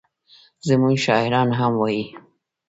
زموږ شاعران هم وایي.